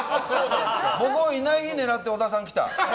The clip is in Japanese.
僕のいない日を狙って小田さんが来た。